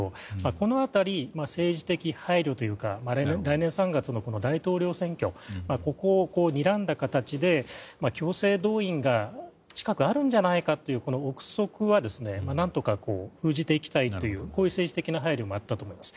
この辺り政治的配慮というか来年３月の大統領選挙をここをにらんだ形で強制動員が近くにあるんじゃないかという憶測は何とか封じていきたいという政治的配慮もあったと思います。